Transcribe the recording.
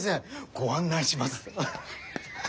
ご案内します。